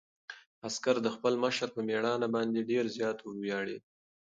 عسکر د خپل مشر په مېړانه باندې ډېر زیات وویاړېد.